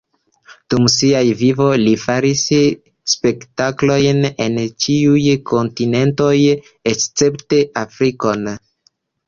Dum sia vivo li faris spektaklojn en ĉiuj kontinentoj escepte Afrikon.